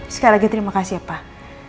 sekali lagi terima kasih ya pak